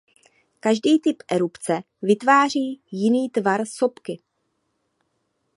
Každý typ erupce vytváří jiný tvar sopky.